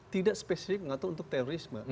tidak spesifik mengatur untuk terorisme